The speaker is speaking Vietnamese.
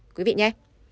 quý vị nhé